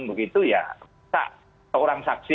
begitu ya tak orang saksi